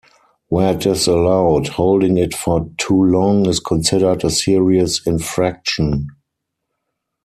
Where it is allowed, holding it for too long is considered a serious infraction.